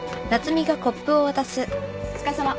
お疲れさま。